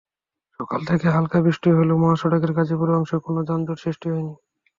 সকাল থেকে হালকা বৃষ্টি হলেও মহাসড়কের গাজীপুর অংশে কোনো যানজট সৃষ্টি হয়নি।